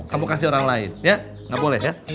kamu kasih orang lain ya nggak boleh ya